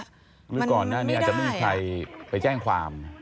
อันนี้ก่อนอาจจะไม่มีใครไปแจ้งความ